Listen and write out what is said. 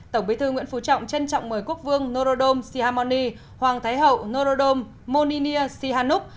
tổng bí thư nguyễn phú trọng chân trọng mời quốc vương norodom sihamoni hoàng thái hậu norodom moninia sihannuk